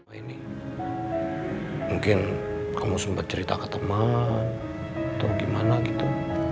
mungkin kamu sempat cerita ke teman atau gimana gitu